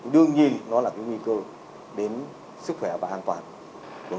đương nhiên nó là cái nguy cơ đến sức khỏe và an toàn của người dân nói chung và người lao động nói riêng